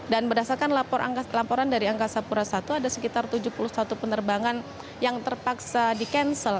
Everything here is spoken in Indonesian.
dan berdasarkan laporan dari angkasa pura i ada sekitar tujuh puluh satu penerbangan yang terpaksa di cancel